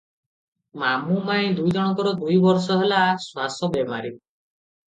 ମାମୁ ମାଇଁ ଦୁଇ ଜଣଙ୍କର ଦୁଇ ବର୍ଷ ହେଲା ଶ୍ୱାସ ବେମାରୀ ।